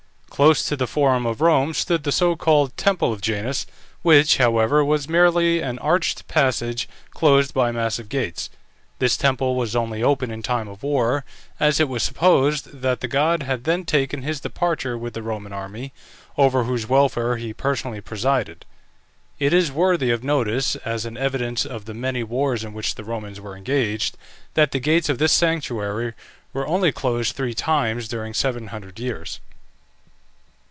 Close to the Forum of Rome stood the so called temple of Janus, which, however, was merely an arched passage, closed by massive gates. This temple was open only in time of war, as it was supposed that the god had then taken his departure with the Roman army, over whose welfare he personally presided. It is worthy of notice, as an evidence of the many wars in which the Romans were engaged, that the gates of this sanctuary were only closed three times during 700 years.